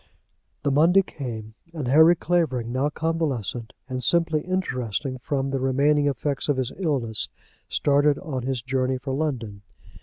The Monday came, and Harry Clavering, now convalescent and simply interesting from the remaining effects of his illness, started on his journey for London.